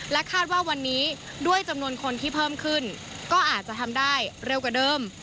คาดว่าวันนี้ด้วยจำนวนคนที่เพิ่มขึ้นก็อาจจะทำได้เร็วกว่าเดิม